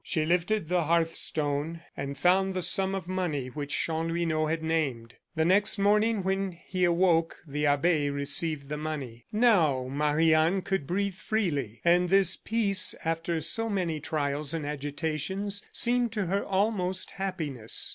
She lifted the hearth stone, and found the sum of money which Chanlouineau had named. The next morning, when he awoke, the abbe received the money. Now, Marie Anne could breathe freely; and this peace, after so many trials and agitations, seemed to her almost happiness.